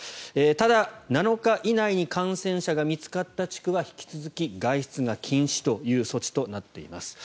ただ、７日以内に感染者が見つかった地区は引き続き外出が禁止という措置となっています。